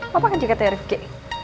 lo pake jaketnya rifqi